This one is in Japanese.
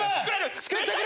作ってくれ！